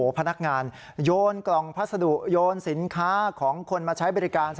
พนักงานโยนกล่องพัสดุโยนสินค้าของคนมาใช้บริการ